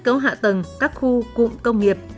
khu công nghiệp